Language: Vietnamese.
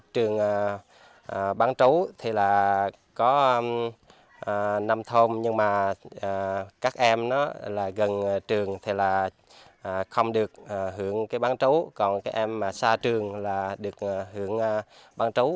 trường bán chú có năm thôn nhưng các em gần trường không được hưởng bán chú còn các em xa trường được hưởng bán chú